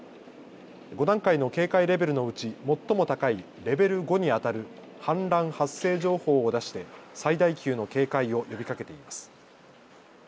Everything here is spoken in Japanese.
５段階の警戒レベルのうち最も高いレベル５にあたる氾濫発生情報を出して最大級の警戒を呼びかけています。